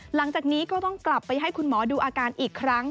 หลังจากนี้ก็ต้องกลับไปให้คุณหมอดูอาการอีกครั้ง